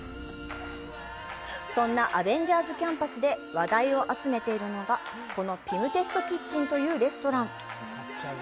そんなアベンジャーズ・キャンパスで話題を集めているのが、このピム・テスト・キッチンというレストラン。